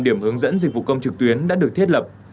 điểm hướng dẫn dịch vụ công trực tuyến đã được thiết lập